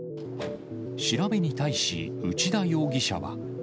調べに対し、内田容疑者は。